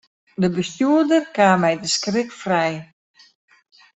De bestjoerder kaam mei de skrik frij.